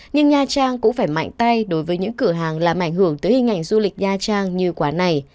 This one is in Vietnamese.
nhưng nha trang cũng phải mạnh tay đối với những cửa hàng làm ảnh hưởng tới hình ảnh du lịch nha trang như quán này